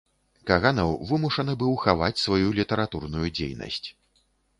Каганаў вымушаны быў хаваць сваю літаратурную дзейнасць.